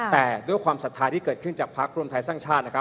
แต่ด้วยความศรัทธาที่เกิดขึ้นจากพักรวมไทยสร้างชาตินะครับ